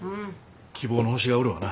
希望の星がおるわな。